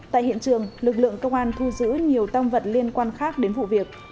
tại hiện trường lực lượng công an thu giữ nhiều tăng vật liên quan khác đến vụ việc